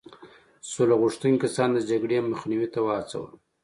سوله غوښتونکي کسان د جګړې مخنیوي ته وهڅول.